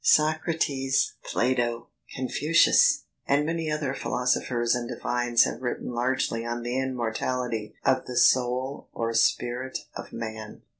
Socrates, Plato, Confucius, and many other philosophers and divines have written largely on the immortality of the soul or spirit of man.